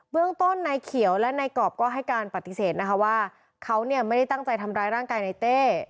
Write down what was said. เรื่องต้นนายเขียวและนายกรอบก็ให้การปฏิเสธนะคะว่าเขาเนี่ยไม่ได้ตั้งใจทำร้ายร่างกายในเต้